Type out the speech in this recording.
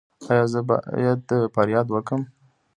ایا زه باید فریاد وکړم؟